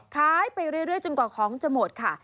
ขายไปเรื่อยจนกว่าของจะหมดค่ะ